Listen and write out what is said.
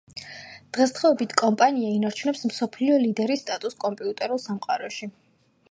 დღესდღეობით კომპანია ინარჩუნებს მსოფლიო ლიდერის სტატუსს კომპიუტერულ სამყაროში.